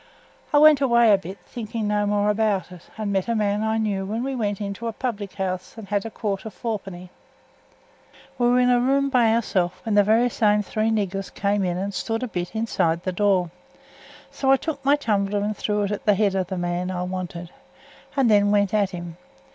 I went away a bit, thinking no more about it, and met a man I knew and we went into a public house and had a quart o' fourpenny. We were in a room by ourselves, when the varra same three niggers come in and stood a bit inside the door. So I took my tumbler and threw it at th' head of th' man I wanted, and then went at him.